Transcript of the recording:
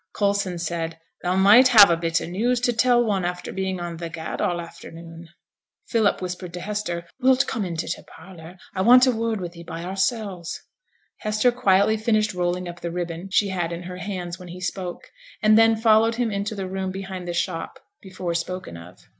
Coulson said 'Thou might have a bit o' news to tell one after being on the gad all afternoon.' Philip whispered to Hester 'Wilt come into t' parlour? I want a word wi' thee by oursel's.' Hester quietly finished rolling up the ribbon she had in her hands when he spoke, and then followed him into the room behind the shop before spoken of.